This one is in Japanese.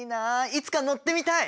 いつか乗ってみたい！